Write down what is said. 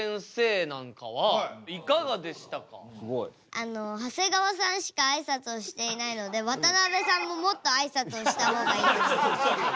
あの長谷川さんしかあいさつをしていないので渡辺さんももっとあいさつをした方がいいと思いました。